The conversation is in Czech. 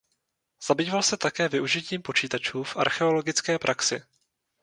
Zabýval se také využitím počítačů v archeologické praxi.